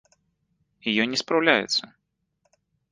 І ён не спраўляецца.